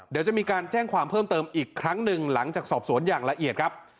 เดี๋ยวจะมีการแจ้งความเพิ่มเติมอีกครั้งหนึ่งหลังจากสอบสวนอย่างละเอียดครับ